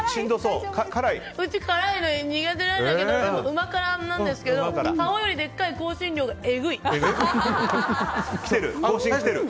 うち辛いの苦手なんだけどうまからなんですけど顔よりでっかい香辛料がえぐい！